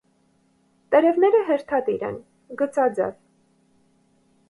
Տերևները հերթադիր են, գծաձև։